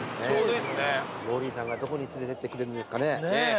モーリーさんがどこに連れていってくれるんですかね。